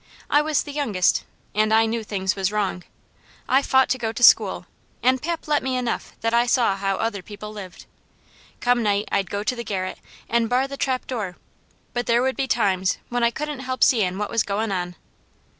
I was the youngest, an' I knew things was wrong. I fought to go to school, an' pap let me enough that I saw how other people lived. Come night I'd go to the garret, an' bar the trapdoor; but there would be times when I couldn't help seein' what was goin' on.